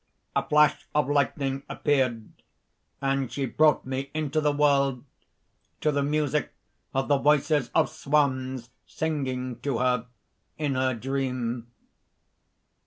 A flash of lightning appeared; and she brought me into the world to the music of the voices of swans singing to her in her dream.